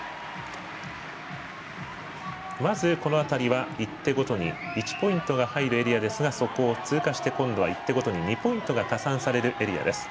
まず、この辺りは１手ごとに１ポイントが入るエリアですがそこを通過して今度は１手ごとに２ポイントが加算されるエリア。